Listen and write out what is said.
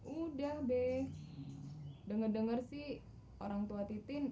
udah deh denger denger sih orang tua titin